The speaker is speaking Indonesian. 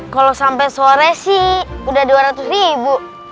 kalau sampai sore sih udah dua ratus ribu